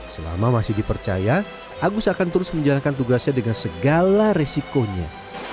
selama masih dipercaya agus akan terus menjalankan tugasnya dengan segala resikonya